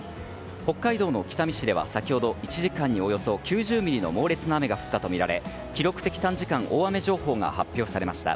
北海道の北見市では先ほど１時間におよそ９０ミリの猛烈な雨が降ったとみられ記録的短時間大雨情報が発表されました。